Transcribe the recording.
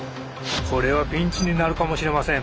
これはピンチになるかもしれません。